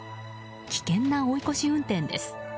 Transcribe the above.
危険な追い越し運転です。